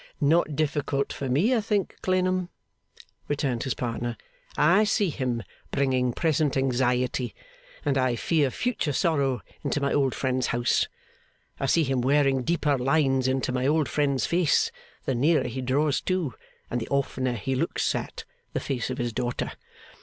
'Not difficult for me, I think, Clennam,' returned his partner. 'I see him bringing present anxiety, and, I fear, future sorrow, into my old friend's house. I see him wearing deeper lines into my old friend's face, the nearer he draws to, and the oftener he looks at, the face of his daughter.